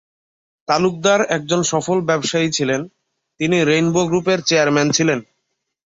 তালুকদার একজন সফল ব্যবসায়ী ছিলেন, তিনি রেইনবো গ্রুপের চেয়ারম্যান ছিলেন।